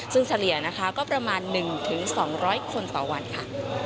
ซึ่งเฉลี่ยนะคะก็ประมาณ๑๒๐๐คนต่อวันค่ะ